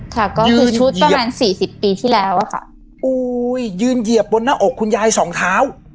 ค่ะก็คือชุดประมาณสี่สิบปีที่แล้วอะค่ะโอ้ยยืนเหยียบบนหน้าอกคุณยายสองเท้า